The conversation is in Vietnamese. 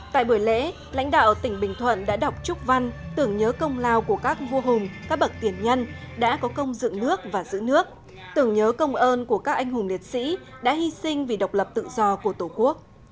tại buổi lễ lãnh đạo tỉnh bình thuận đã đọc chúc văn tưởng nhớ công lao của các vua hùng các bậc tiền nhân đã có công dựng nước và giữ nước tưởng nhớ công ơn của các anh hùng liệt sĩ đã hy sinh vì độc lập tự do của tổ quốc